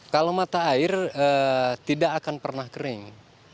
kalau mata air tidak akan pernah kering